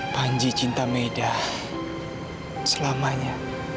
panji cinta meida selamanya